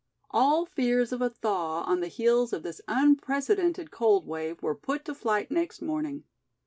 All fears of a thaw on the heels of this unprecedented cold wave were put to flight next morning.